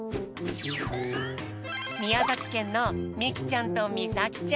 みやざきけんのみきちゃんとみさきちゃん。